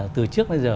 từ trước đến giờ